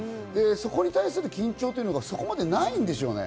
そこに対する緊張というのが、そこまでないんでしょうね。